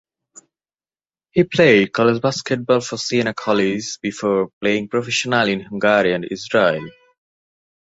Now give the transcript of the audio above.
He played college basketball for Siena College before playing professionally in Hungary and Israel.